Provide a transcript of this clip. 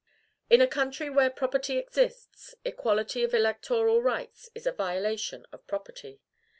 In a country where property exists, equality of electoral rights is a violation of property.